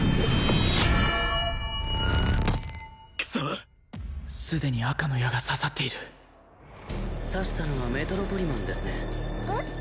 くそっすでに赤の矢が刺さっている刺したのはメトロポリマンですねえっ？